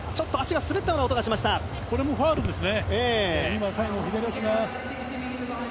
これもファウルですね。